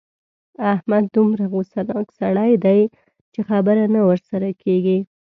احمد دومره غوسناک سړی دی چې خبره نه ورسره کېږي.